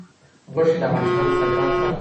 غوښې د افغانستان د صادراتو برخه ده.